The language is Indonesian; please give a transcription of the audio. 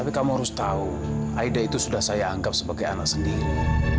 tapi kamu harus tahu aida itu sudah saya anggap sebagai anak sendiri